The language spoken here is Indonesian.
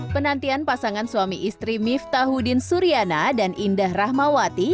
penantian pasangan suami istri miftahudin suriana dan indah rahmawati